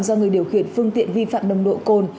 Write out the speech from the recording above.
do người điều khiển phương tiện vi phạm nồng độ cồn